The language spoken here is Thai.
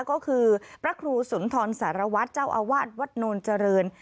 ก็คือพระครูสุนทรสารวัตรเจ้าอาวาสวัดโนนเจริญ